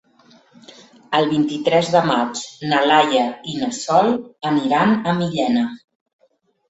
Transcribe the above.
El vint-i-tres de maig na Laia i na Sol aniran a Millena.